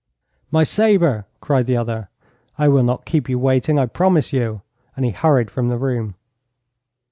'My sabre!' cried the other. 'I will not keep you waiting, I promise you!' and he hurried from the room.